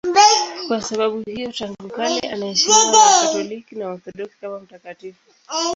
Kwa sababu hiyo tangu kale anaheshimiwa na Wakatoliki na Waorthodoksi kama mtakatifu.